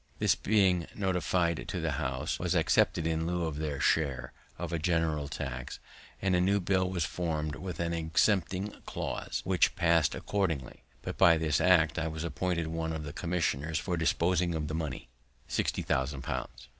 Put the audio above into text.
This, being notified to the House, was accepted in lieu of their share of a general tax, and a new bill was form'd, with an exempting clause, which passed accordingly. By this act I was appointed one of the commissioners for disposing of the money, sixty thousand pounds.